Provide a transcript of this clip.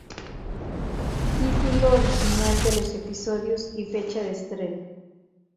Título original de los episodios y fecha de estreno.